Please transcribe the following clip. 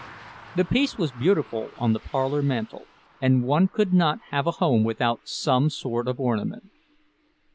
The piece was beautiful on the parlor mantel, and one could not have a home without some sort of ornament.